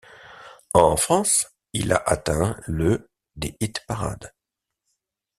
En France, il a atteint le des hit-parades.